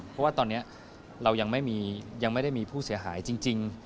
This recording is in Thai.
เพราะว่าตอนนี้เรายังไม่ได้มีผู้เสียหายจริง